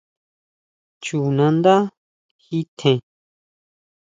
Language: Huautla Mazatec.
Chú nandá ji tjen.